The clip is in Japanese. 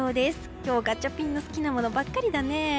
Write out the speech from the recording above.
今日、ガチャピンの好きなものばっかりだね。